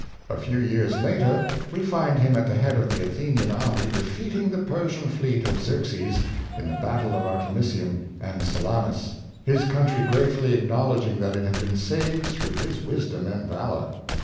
'^ A few years later, we find him at the head of the Athenian army, defeating the Persian fleet of Xerxes in the bat tles of Artemisium and Salamis — his country greatfully acknowledging that it had been saved through his wis dom and valor.